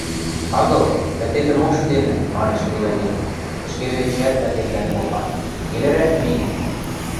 — Агыл, вӓтетӹмок шӱденӹт, — манеш бригадир, ӹшкежӹ эчеӓт вӓтемлӓн попа: — Йӹлерӓк ми!